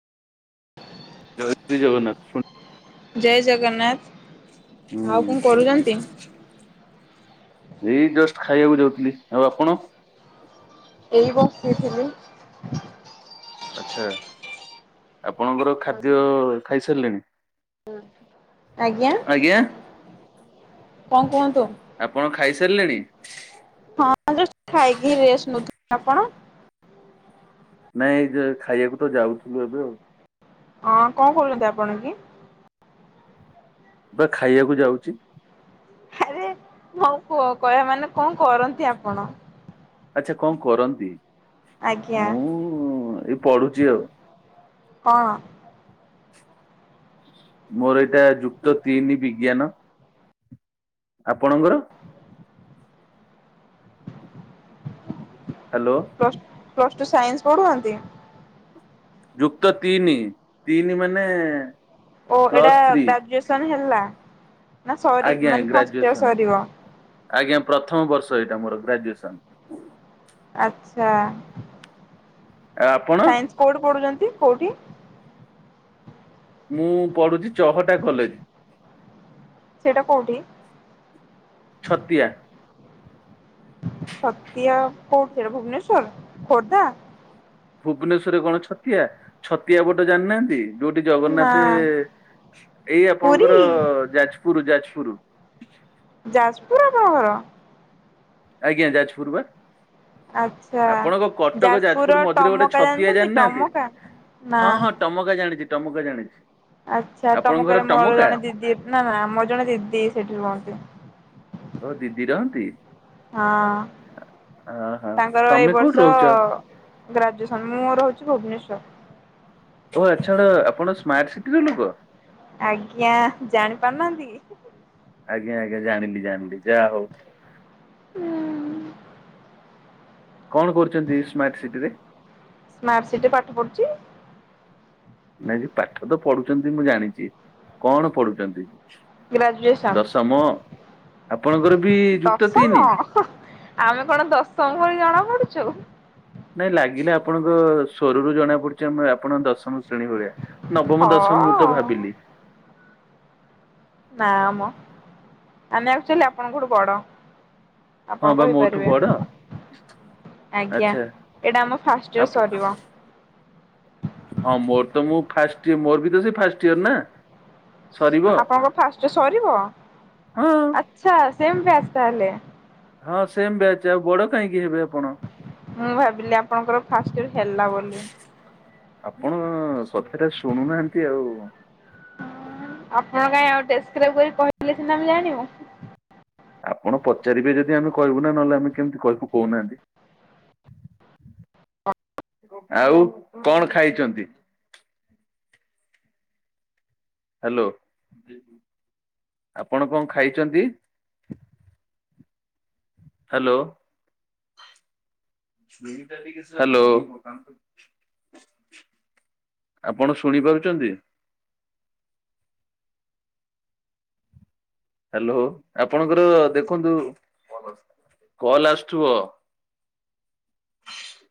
ଜୟ ଶ୍ରୀ ଜଗନ୍ନାଥ ଶୁଣ। ଜୟ ଜଗନ୍ନାଥ, ହୁଁ ଆଉ କଣ କରୁଛନ୍ତି? ଏଇ ଜଷ୍ଟ ଖାଇବାକୁ ଯାଉଥିଲି ଆଉ ଆପଣ? ଏଇ ବସିଥିଲି। ଆଚ୍ଛା ଆପଣଙ୍କର ଖାଦ୍ୟ ଖାଇସାରିଲେଣି? ଆଜ୍ଞା। କଣ କୁହନ୍ତୁ? ସାରିଲେଣି? ହଁ ଯଷ୍ଟ ଖାଇକି ରେଷ୍ଟ ନଉଥିଲି ଆପଣ? ନାଇଁ ଏଇ ଯ ଖାଇବାକୁ ତ ଯାଉଥିଲୁ ଏବେ ଆଉ। ହଁ କଣ କରୁଛନ୍ତି ଆପଣ କି? ମୁଁ ବା ଖାଇବାକୁ ଯାଉଛି। ଆରେ ମୁଁ କହି କହିବା ମାନେ କଣ କରନ୍ତି ଆପଣ? ଆଚ୍ଛା କଣ କରନ୍ତି? ଆଜ୍ଞା। ମୁଁ ଏଇ ପଢୁଛି ଆଉ। କଣ? ମୋର ଏଇଟା ଯୁକ୍ତ ତିନି ବିଜ୍ଞାନ। ଆପଣଙ୍କର? ହାଲୋ। ପ୍ଲସ ଟୁ ସାଇନ୍ସ ପଢୁହନ୍ତି? ଯୁକ୍ତ ତିନି ତିନି ମାନେ ଓ ଏଇଟା ପ୍ଲସ୍ ଥ୍ରୀ ଗ୍ରାଜୁଏସନ ହେଲା। ନା ସରିବ ଆଜ୍ଞା ମାନେ ଫାଷ୍ଟ ଇଅର୍ ଗ୍ରାଜୁଏସନ ସରିବ? ଆଜ୍ଞା ପ୍ରଥମ ବର୍ଷ ଏଇଟା ମୋର ଗ୍ରାଜୁଏସନ। ଆଚ୍ଛା। ଆଉ ଆପଣ? ସାଇନ୍ସ କୋଉଠି ପଢୁଛନ୍ତି କୋଉଠି? ମୁଁ ପଢୁଛି ଚହଟା କଲେଜ। ସେଇଟା କୋଉଠି? ଛତିଆ। ଛତିଆ କୋଉଠି? ଭୁବନେଶ୍ଵର ଖୋର୍ଦ୍ଧା? ଭୁବନେଶ୍ୱରରେ କଣ ଛତିଆ, ଛତିଆ ମଠ ଜାଣିନାହାନ୍ତି? ଯୋଉଠି ନା ଜଗନ୍ନାଥେ ଏଇ ଆପଣଙ୍କର ପୁରୀ ଯାଜପୁର ଯାଜ ଯାଜପୁରୁ। ଯାଜପୁର ଆପଣ ଘର? ଆଜ୍ଞା ଯାଜପୁର ବା? ଆଚ୍ଛା। ଆପଣଙ୍କ କଟକ ଯାଜପୁରର ଯାଜପୁର ମଝିରେ ଗୋଟେ ଟମକା ଛତିଆ ଜାଣିଛନ୍ତି ଜାଣିନାହାନ୍ତି? ଟମକା? ନା ହଁ ହଁ ଟମକା ଜାଣିଛି ଟମକା ଜାଣିଛି। ଆଚ୍ଛା ଆପଣଙ୍କ ଘର ଟମକାରେ ମୋର ଟମକା ଜଣେ ଦିଦି ନା ନା ମୋର ଜଣେ ଦିଦି ସେଠି ରୁହନ୍ତି। ଓହୋ ଦିଦି ରହନ୍ତି। ହଁ। ଓହୋ ତାଙ୍କର ଏଇ ତମେ କୋଉଠି ବର୍ଷ ରହୁଛ? ଗ୍ରାଜୁଏସନ ମୁଁ ରହୁଛି ଭୁବନେଶ୍ଵର। ଓ ଆଛା ଆପଣ ସ୍ମାର୍ଟ ସିଟିର ଲୋକ? ଆଜ୍ଞା ଜାଣି ପାରୁନାହାନ୍ତି କି? ଆଜ୍ଞା ଆଜ୍ଞା ଜାଣିଲି ଜାଣିଲି ଯାହା ହଉ। ହୁଁ। କଣ କରୁଛନ୍ତି ସ୍ମାର୍ଟ ସିଟିରେ? ସ୍ମାର୍ଟ ସିଟି ପାଠ ପଢୁଛି ନାଇଁ କି ପାଠ ତ ପଢୁଛନ୍ତି ମୁଁ ଜାଣିଛି କଣ ପଢୁଛନ୍ତି? ଗ୍ରାଜୁଏସନ୍। ଦଶମ ଆପଣଙ୍କର ବି ଯୁକ୍ତ ତିନି? ଦଶମ ଆମେ କଣ ଦଶମ ଭଳି ଜଣା ପଡୁଛୁ। ନାଇଁ ଲାଗିଲା ଆପଣଙ୍କ ସ୍ୱରରୁ ଜଣା ପଡୁଚି ଆମେ ଆପଣ ଦଶମ ଶ୍ରେଣୀ ଭଳିଆ ହଁ। ନବମ ଦଶମ ମୁଁ ତ ଭାବିଲି। ନାମ ଆମେ ଆଚୁଆଲି ଆପଣଙ୍କଠୁ ବଡ। ହଁ ଆପଣ ବା ମୋଠୁ କହିପାରିବେ। ବଡ ଆଜ୍ଞା ଆଚ୍ଛା। ଏଇଟା ଆମ ଫାଷ୍ଟ ଇୟର ଆପ ସରିବ। ହଁ ମୋର ତ ମୁଁ ଫାଷ୍ଟ ଇର ମୋର ବି ତ ସେ ଫାଷ୍ଟ ଇୟର ନା। ସରିବ ଆପଣଙ୍କ ଫାଷ୍ଟ ସରିବ ହଁ। ଆଛା ସେମ ବେଚ ତାହଲେ। ହଁ ସେମ ବ୍ୟାଚ ଆଉ ବଡ କାହିଁକି ହେବେ ଆପଣ। ମୁଁ ଭାବିଲି ଆପଣଙ୍କର ଫାଷ୍ଟ ଇୟର ହେଲା ବୋଲି। ଆପଣ ସତରେ ଶୁଣୁନାହାନ୍ତି ଆଉ। ଦେସ୍କ୍ଆରଇବ କହିଥିଲେ ସିନା ଆମେ ଜାଣିବୁ। ଆପଣ ପଚାରିବେ ଯଦି ଆମେ କହିବୁ ନା ନହେଲେ ଆମେ କେମିତି କହିବୁ କହୁନାହାନ୍ତି? ଆଉ କଣ ଖାଇଚନ୍ତି? ହାଲୋ ଆପଣ କଣ ଖାଇଚନ୍ତି? ହାଲୋ। ହାଲୋ। ଆପଣ ଶୁଣିପାରୁଚନ୍ତି? ହାଲୋ ଆପଣଙ୍କର ଦେଖନ୍ତୁ। କଲ ଆସୁ ଥିବ। [inaudible]